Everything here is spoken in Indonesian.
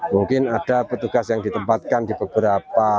mungkin ada petugas yang ditempatkan di beberapa